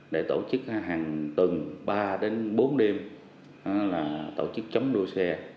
để tổ chức hàng tuần ba đến bốn đêm tổ chức chấm đua xe